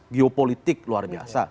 geopolitik luar biasa